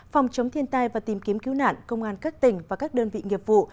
phòng chống thiên tai và tìm kiếm cứu nạn công an các tỉnh và các đơn vị nghiệp vụ